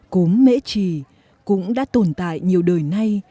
cốm mễ trì cũng đã tồn tại nhiều đời nay